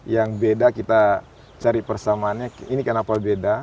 yang beda kita cari persamaannya ini kenapa beda